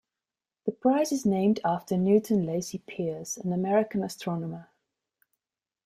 The prize is named after Newton Lacy Pierce, an American astronomer.